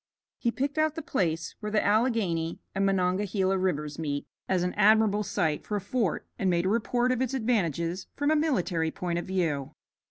He picked out the place where the Alleghany and Monongahela Rivers meet as an admirable site for a fort and made a report of its advantages from a military point of view.